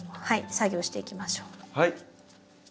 はい作業していきましょう。